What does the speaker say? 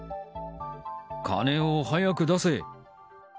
金を早く出せ。